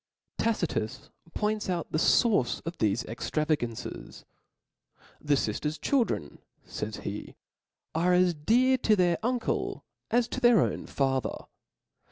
Tacitus points out the fource of thefe extra vagances :*• The fifter*& 'f children, fays he, are *' as dear to their uncle as to their own father.